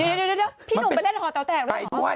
เดี๋ยวพี่หนุ่มไปเล่นหอเต๋าแตกหรือเปล่า